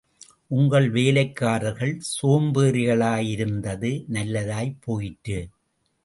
உங்கள் வேலைக்காரர்கள் சோம்பேறிகளாயிருந்தது நல்லதாய்ப் போயிற்று.